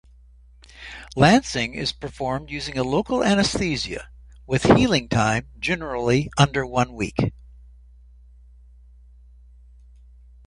Lancing is performed using a local anesthesia, with healing time generally under one week.